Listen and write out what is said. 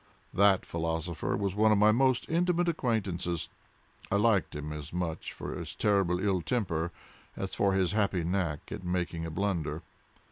That philosopher was one of my most intimate acquaintances. I liked him as much for his terrible ill temper, as for his happy knack at making a blunder.